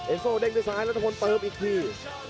เอ็นโซเด้งไปซ้ายรัฐพนธ์เพิ่มอีกที